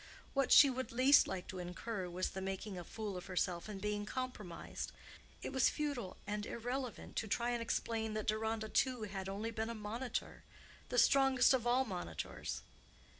What she would least like to incur was the making a fool of herself and being compromised. It was futile and irrelevant to try and explain that Deronda too had only been a monitor—the strongest of all monitors.